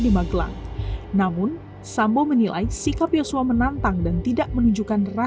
berdasarkan perintah sambong barada richard eliezer menangkap brigadir yosua